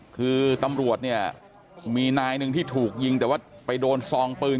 คือตำรวจเนี่ยมีนายหนึ่งที่ถูกยิงแต่ว่าไปโดนซองปืน